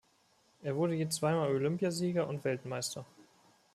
Er wurde je zweimal Olympiasieger und Weltmeister.